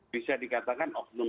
bisa dikatakan oknum